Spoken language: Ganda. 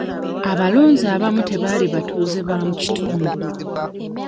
Abalonzi abamu tebaali batuuze ba mu kitundu